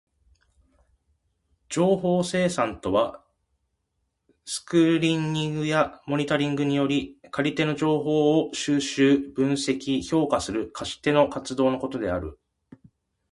情報生産とはスクリーニングやモニタリングにより借り手の情報を収集、分析、評価する貸し手の活動のことである。